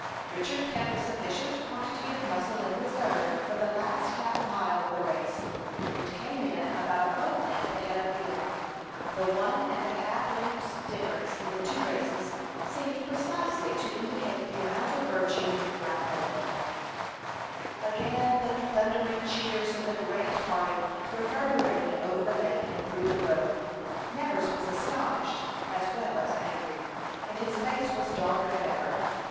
Richard kept a sufficient quantity of muscle in reserve for the last half mile of the race, and came in about a boat length ahead of the Emma. The one and a half length's difference in the two races seemed precisely to indicate the amount of virtue in black lead. [Illustration: RICHARD WINS THE RACE. Page 240] Again the thundering cheers of the Grant party reverberated over the lake and through the grove. Nevers was astonished, as well as angry, and his face was darker than ever.